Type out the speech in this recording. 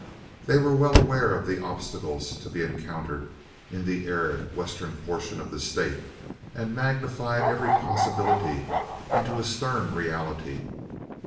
They were well aware of the obstacles to be encountered in the arid, western portion of the state, and magnified every possibility into a stern reality.